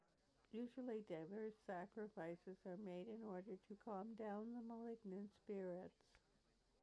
Usually diverse sacrifices are made in order to calm down the malignant spirits.